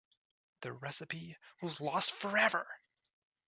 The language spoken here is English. The recipe was lost forever.